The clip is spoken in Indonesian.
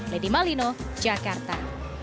lady malino jakarta